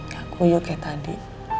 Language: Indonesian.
gak kuyuk kayak tadi